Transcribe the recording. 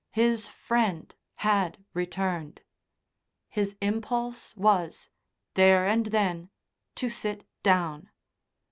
His friend had returned. His impulse was, there and then, to sit down.